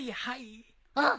あっ！？